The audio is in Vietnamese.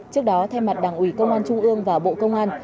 trước đó thay mặt đảng ủy công an trung ương và bộ công an